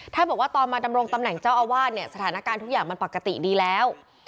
บอกว่าตอนมาดำรงตำแหน่งเจ้าอาวาสเนี่ยสถานการณ์ทุกอย่างมันปกติดีแล้ว